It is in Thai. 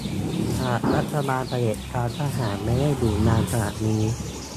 หากรัฐบาลเผด็จการทหารไม่ได้อยู่นานขนาดนี้